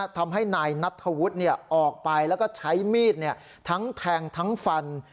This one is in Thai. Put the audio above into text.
ทำให้นายนัทธวุฒิออกไปแล้วก็ใช้มีดทั้งแทงทั้งฟัน